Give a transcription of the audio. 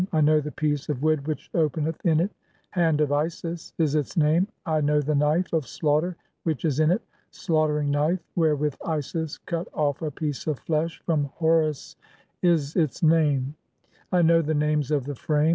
I know the piece of "wood which openeth in it ; 'Hand of Isis' [is its name]. I know "the knife of slaughter (9) which is in it; 'Slaughtering knife "wherewith Isis cut off a piece of flesh from Horus' [is its name]. "I know the names of the frame